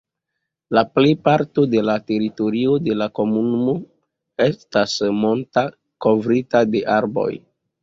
La plejparto de la teritorio de la komunumo estas monta, kovrita de arbaroj.